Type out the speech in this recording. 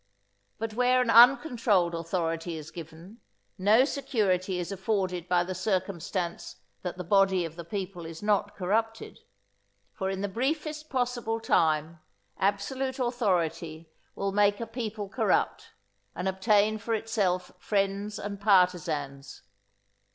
But where an uncontrolled authority is given, no security is afforded by the circumstance that the body of the people is not corrupted; for in the briefest possible time absolute authority will make a people corrupt, and obtain for itself friends and partisans.